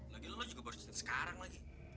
lagi lo juga baru datang sekarang lagi